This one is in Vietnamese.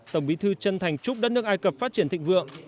tổng bí thư chân thành chúc đất nước ai cập phát triển thịnh vượng